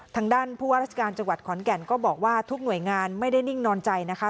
ทางด้านผู้ว่าราชการจังหวัดขอนแก่นก็บอกว่าทุกหน่วยงานไม่ได้นิ่งนอนใจนะคะ